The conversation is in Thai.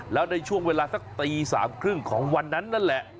แล้วในช่วงเวลาสักตี๓๓๐ของวันนั้นนั่นแหละ